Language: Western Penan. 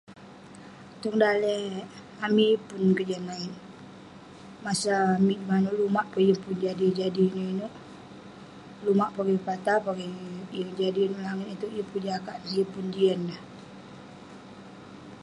Tong daleh amik yeng pun kejian langit. Masa amik maneuk lumak pe yeng pun jadi-jadi ineuk-ineuk. Lumak pogeng pata pogeng yeng jadi neuk langit iteuk, yeng pun jakak neh, yeng pun jian neh.